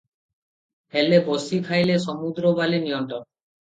ହେଲେ ବସି ଖାଇଲେ ସମୁଦ୍ର ବାଲି ନିଅଣ୍ଟ ।